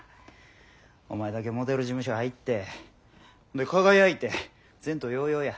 お前だけモデル事務所入ってんで輝いて前途洋々や。